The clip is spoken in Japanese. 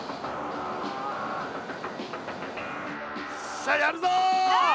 さあやるぞ！